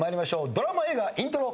ドラマ・映画イントロ。